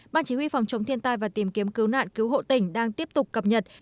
ban chỉ huy phòng chống thiên tai và tìm kiếm cứu nạn cứu hộ tỉnh đang tiếp tục cập nhật